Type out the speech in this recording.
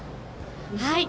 はい！